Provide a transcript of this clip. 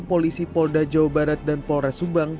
polisi polda jawa barat dan polres subang